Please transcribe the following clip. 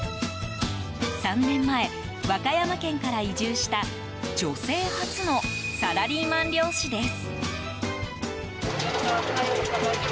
３年前、和歌山県から移住した女性初のサラリーマン漁師です。